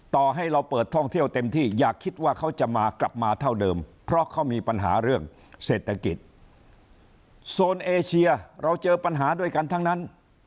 ต่อให้เราเปิดท่องเที่ยวเต็มที่อย่าคิดว่าเขาจะมากลับมาเท่าเดิมเพราะเขามีปัญหาเรื่องเศรษฐกิจโซนเอเชียเราเจอปัญหาด้วยกันทั้งนั้น